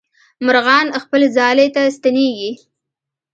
مرغان خپل ځالې ته ستنېږي.